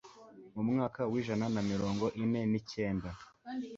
mu mwaka w'ijana na mirongo ine n'icyenda